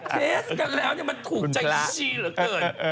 แฟสกันแล้วมันถูกใจเชี่ยเหล่าเกิน